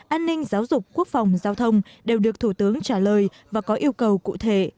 an ninh giáo dục quốc phòng giao thông đều được thủ tướng trả lời và có yêu cầu cụ thể